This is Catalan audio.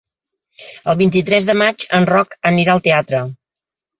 El vint-i-tres de maig en Roc anirà al teatre.